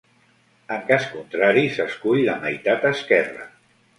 En cas contrari, s'escull la meitat esquerra.